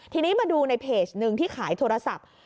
ทีนี้มาดูในเพจหนึ่งที่ขายโทรศัพท์